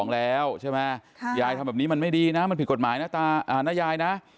แล้วใช่ไหมยายทำแบบนี้มันไม่ดีนะมันผิดกฎหมายนะตานะยายนะ